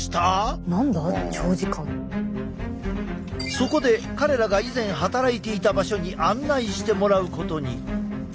そこで彼らが以前働いていた場所に案内してもらうことに。